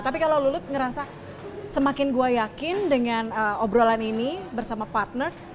tapi kalau lulut ngerasa semakin gue yakin dengan obrolan ini bersama partner